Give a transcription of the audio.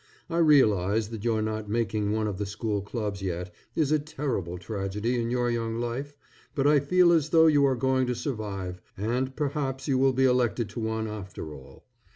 I realize that your not making one of the school clubs yet, is a terrible tragedy in your young life; but I feel as though you are going to survive, and perhaps you will be elected to one after all.